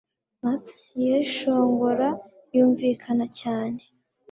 Max yishongora, yumvikana cyane